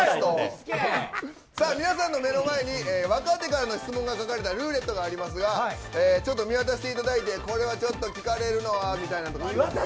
皆さんの目の前に若手からの質問が書かれたルーレットがありますがちょっと見渡していただいてこれはちょっと聞かれるのはみたいなことは。